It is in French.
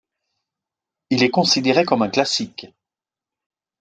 Il est considéré comme un classique.